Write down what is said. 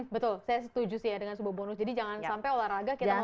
betul saya setuju sih ya dengan sebuah bonus jadi jangan sampai olahraga kita harus